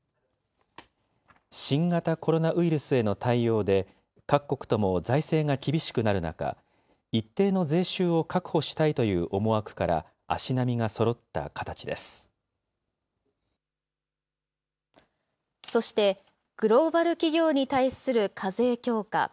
新型コロナウイルスへの対応で、各国とも財政が厳しくなる中、一定の税収を確保したいという思惑そして、グローバル企業に対する課税強化。